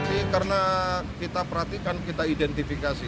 ini karena kita perhatikan kita identifikasi